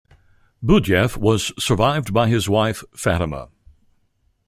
Boudiaf was survived by his wife, Fatima.